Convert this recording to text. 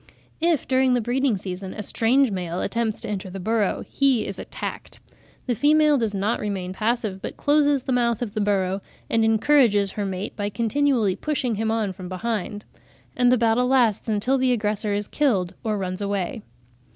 If, during the breeding season, a strange male attempts to enter the burrow, he is attacked; the female does not remain passive, but closes the mouth of the burrow, and encourages her mate by continually pushing him on from behind; and the battle lasts until the aggressor is killed or runs away.